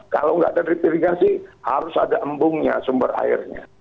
kalau nggak ada retirigasi harus ada embungnya sumber airnya